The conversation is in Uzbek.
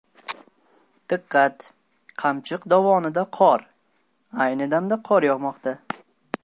Diqqat! Qamchiq dovonida qor ayni damda qor yog‘moqda